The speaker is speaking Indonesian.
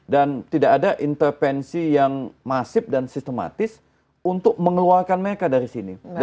dan tidak ada intervensi yang masif dan sistematis untuk mengeluarkan mereka dari sini